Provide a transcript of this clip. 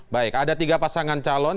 baik ada tiga pasangan calon